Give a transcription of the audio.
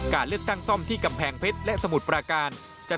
การเลือกตั้งซ่อมที่กำแพงเพชร